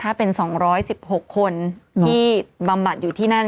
ถ้าเป็น๒๑๖คนที่บำบัดอยู่ที่นั่น